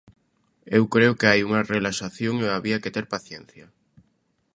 Eu creo que hai unha relaxación e había que ter paciencia.